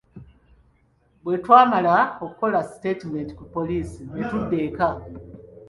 Bwetwamala okukola sitaatimenti ku poolisi ne tudda eka.